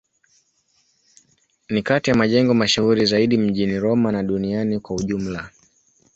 Ni kati ya majengo mashuhuri zaidi mjini Roma na duniani kwa ujumla.